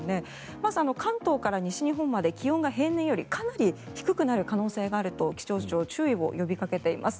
まず関東から西日本まで気温が平年よりかなり低くなる可能性があると気象庁が注意を呼びかけています。